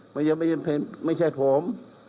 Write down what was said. มันยังไม่ใช่ผม